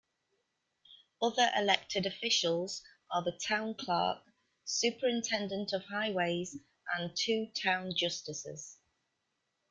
Other elected officials are the Town Clerk, Superintendent of Highways and two Town Justices.